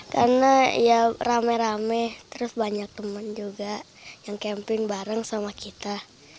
karena ya rame rame terus banyak temen juga yang camping bareng sama kita